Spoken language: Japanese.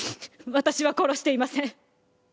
私は殺していません。